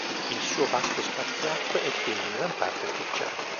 Il suo vasto spartiacque è quindi in gran parte artificiale.